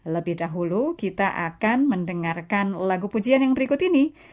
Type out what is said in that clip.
lebih dahulu kita akan mendengarkan lagu pujian yang berikut ini